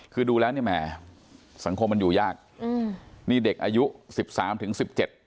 คือดูแล้วเนี่ยแหมสังคมมันอยู่ยากอืมนี่เด็กอายุสิบสามถึงสิบเจ็ด